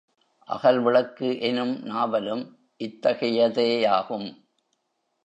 அகல் விளக்கு எனும் நாவலும் இத்தகையதேயாகும்.